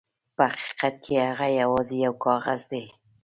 په حقیقت کې هغه یواځې یو کاغذ دی.